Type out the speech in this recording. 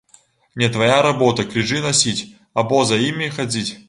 Не твая работа крыжы насіць або за імі хадзіць.